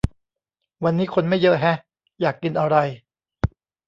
วันนี้คนไม่เยอะแฮะ อยากกินอะไร